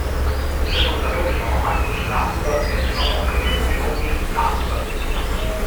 I suoi fondatori sono Marcus Lamb e sua moglie Joni Lamb.